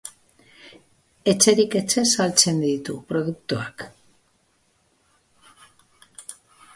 Etxerik etxe saltzen ditu produktuak.